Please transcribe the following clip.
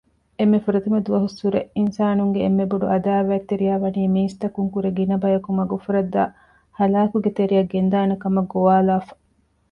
އެންމެ ފުރަތަމަ ދުވަހުއްސުރެ އިންސާނުންގެ އެންމެބޮޑު ޢަދާވާތްތެރިޔާވަނީ މީސްތަކުންކުރެ ގިނަބަޔަކު މަގުފުރައްދައި ހަލާކުގެތެރެއަށް ގެންދާނެކަމަށް ގޮވާލައިފަ